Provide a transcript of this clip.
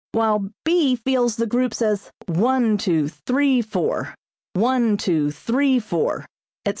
while B feels the groups as one, two, three, four | one, two, three, four | etc.